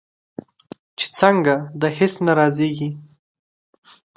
چې څنګه؟ د هیڅ نه رازیږې